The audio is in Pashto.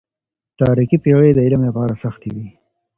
تاريکي پېړۍ د علم لپاره سختې وې.